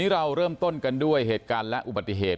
เราเริ่มต้นกันด้วยเหตุการณ์และอุบัติเหตุ